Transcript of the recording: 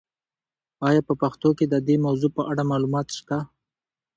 آیا په پښتو کې د دې موضوع په اړه معلومات شته؟